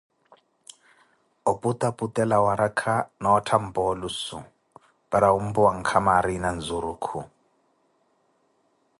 oputaputela warakha na ottha mpoolusu, para wumpuwa nkama ariina nzurukhu.